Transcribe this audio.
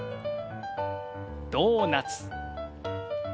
ドーナツ。